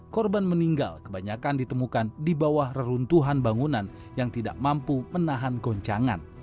korban meninggal kebanyakan ditemukan di bawah reruntuhan bangunan yang tidak mampu menahan goncangan